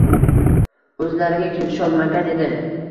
– o‘zlariga kelisholmagan edi.